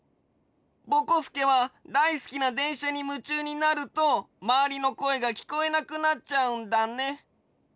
ぼこすけはだいすきなでんしゃにむちゅうになるとまわりのこえがきこえなくなっちゃうんだね。